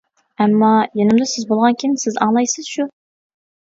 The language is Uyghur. ئەمما، يېنىمدا سىز بولغاندىكىن سىز ئاڭلايسىز شۇ.